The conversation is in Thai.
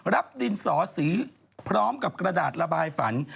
ดินสอสีพร้อมกับกระดาษระบายฝัน